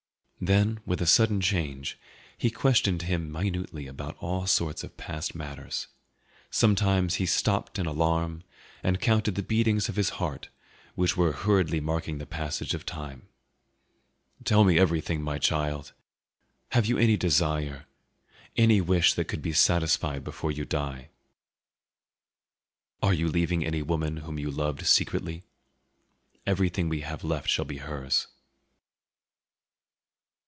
Then, with a sudden change, he questioned him minutely about all sorts of past matters. Sometimes he stopped in alarm, and counted the beatings of his heart, which were hurriedly marking the passage of time. "Tell me everything, my child; have you any desire, any wish that could be satisfied before you die? Are you leaving any woman whom you loved secretly? Everything we have left shall be hers."